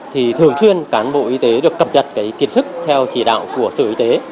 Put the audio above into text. thì thường xuyên cán bộ y tế được cập nhật kiến thức theo chỉ đạo của sự y tế